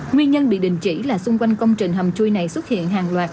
nguyên nhân bị đình chỉ là xung quanh công trình hầm chui này xuất hiện hàng loạt